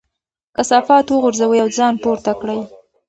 کثافات وغورځوئ او ځان پورته کړئ.